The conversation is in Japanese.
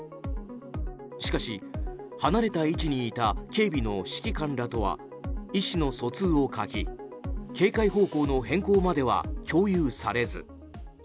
しかし、離れた位置にいた警備の指揮官らとは意志の疎通を欠き、警戒方向の変更までは共有されず。